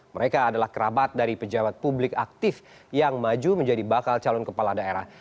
mereka adalah kerabat dari pejabat publik aktif yang maju menjadi bakal calon kepala daerah